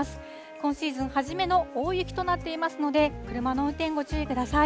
今シーズン初めの大雪となっていますので、車の運転、ご注意ください。